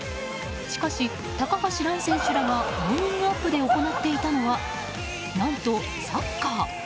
しかし、高橋藍選手らがウォーミングアップで行っていたのは何と、サッカー。